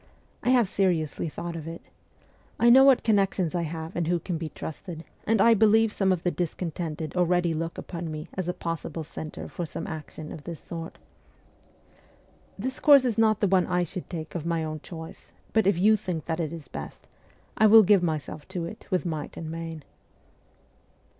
I have seriously thought of it. I know what con nections I have and who can be trusted, and I believe some of the discontented already look upon me as a possible centre for some action of this sort. This course is not the one I should take of my own choice ; but if you think that it is best, I will give myself to it with might and main.'